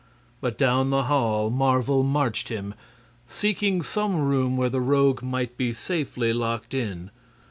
But down the hall Marvel marched him, seeking some room where the Rogue might be safely locked in.